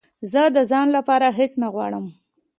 زه د ځان لپاره هېڅ نه غواړم